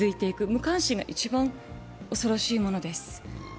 無関心が一番恐ろしいものです。